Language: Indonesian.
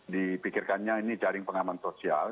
dipikirkannya ini jaring pengaman sosial